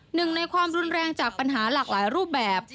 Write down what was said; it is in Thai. หนึ่งในความรุนแรงจากปัญหาหลากหลายรูปแบบ